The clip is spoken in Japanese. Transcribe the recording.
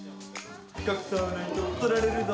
隠さないと取られるぞ！